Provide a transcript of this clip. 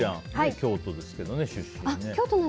京都ですけど、出身。